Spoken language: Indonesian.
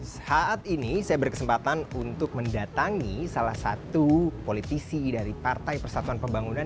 saat ini saya berkesempatan untuk mendatangi salah satu politisi dari partai persatuan pembangunan